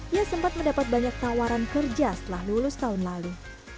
ia sempat mendapat banyak tawaran kerja setelah lulus tahun lalu